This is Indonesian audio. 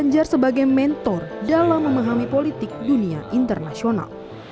ganjar sebagai mentor dalam memahami politik dunia internasional